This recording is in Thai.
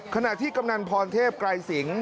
ขณะที่กำนันพรเทพไกรสิง